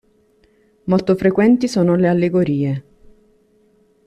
Molto frequenti sono le allegorie.